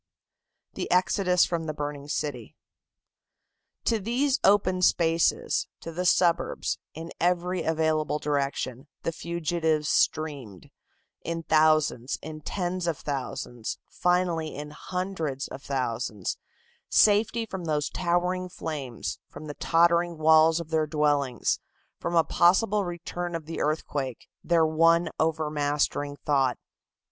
THE EXODUS FROM THE BURNING CITY. To these open spaces, to the suburbs, in every available direction, the fugitives streamed, in thousands, in tens of thousands, finally in hundreds of thousands, safety from those towering flames, from the tottering walls of their dwellings, from a possible return of the earthquake, their one overmastering thought.